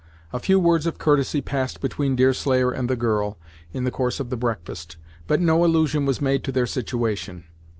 A few words of courtesy passed between Deerslayer and the girl, in the course of the breakfast, but no allusion was made to their situation.